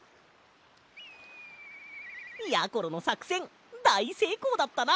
やころのさくせんだいせいこうだったな！